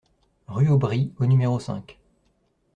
Rue Aubry au numéro cinq